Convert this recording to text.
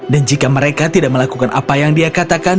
dan jika mereka tidak melakukan apa yang dia katakan